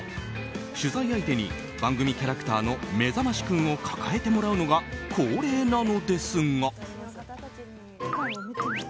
取材相手に番組キャラクターのめざましくんを抱えてもらうのが恒例なのですが。